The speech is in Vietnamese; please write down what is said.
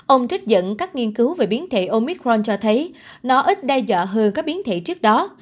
ông trích dẫn các nghiên cứu về biến thể omicron cho thấy nó ít đe dọa hơn các biến thể trước đó